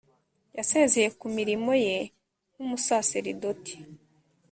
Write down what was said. yasezeye ku mirimo ye nk’umusaseridoti